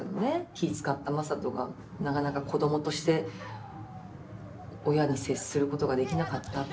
気遣った正門がなかなか子供として親に接することができなかった。